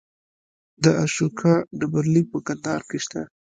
د اشوکا ډبرلیک په کندهار کې شته